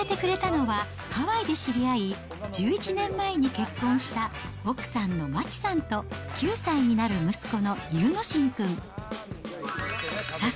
出迎えてくれたのは、ハワイで知り合い１１年前に結婚した奥さんの真紀さんと９歳になる息子の優之心くん。